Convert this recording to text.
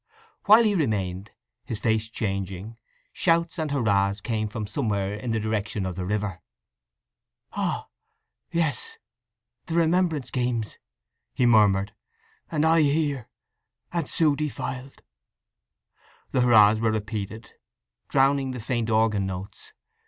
While he remained, his face changing, shouts and hurrahs came from somewhere in the direction of the river. "Ah—yes! The Remembrance games," he murmured. "And I here. And Sue defiled!" The hurrahs were repeated, drowning the faint organ notes.